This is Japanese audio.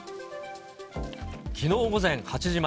きのう午前８時前、